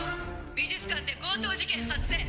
美術館で強盗事件発生！